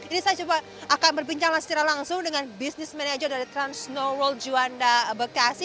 ini saya coba akan berbincanglah secara langsung dengan bisnis manajer trans snow world juanda bekasi